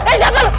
eh siapa lu